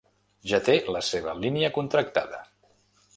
Ja té la seva línia contractada.